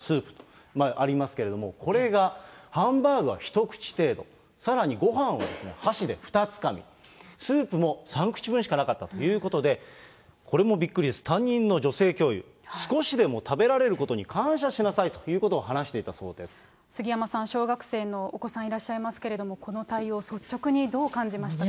通常の給食というのはこちらね、ハンバーグ、ごはん、スープとありますけれども、これがハンバーグは１口程度、さらにごはんはですね、箸で２つかみ、スープも３口分しかなかったということで、これもびっくりです、担任の女性教諭、少しでも食べられることに感謝しなさいということを話していたそ杉山さん、小学生のお子さんいらっしゃいますけれども、この対応、率直にどう感じましたか？